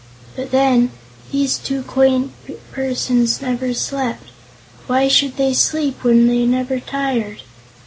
But then, these two quaint persons never slept. Why should they sleep, when they never tired?